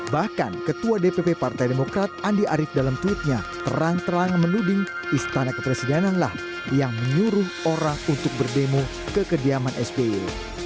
bahkan ketua dpp partai demokrat andi arief dalam tweetnya terang terang menuding istana kepresidenan lah yang menyuruh orang untuk berdemo ke kediaman sby